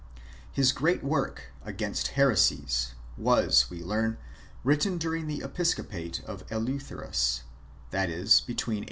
His great work Against Heresies was, we learn, written during the episco pate of Eleutherus, that is, between a.